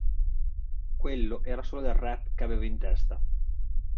Quello era solo del rap che avevo in testa.